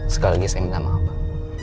sekali lagi saya minta maaf